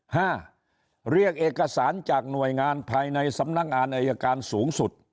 เรียกเอกสารจากหน่วยงานภายในสำนักงานอายการสูงสุด